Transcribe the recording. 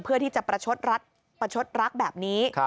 เพื่อที่จะประชดรักแบบนี้